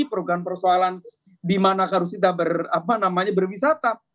program persoalan di mana harus kita berwisata